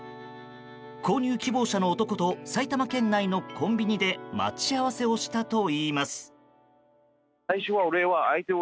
購入希望者の男と埼玉県内のコンビニで待ち合わせをしたといいます。